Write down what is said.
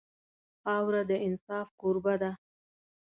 خاوره د انصاف کوربه ده.